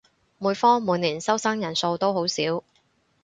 每科每年收生人數都好少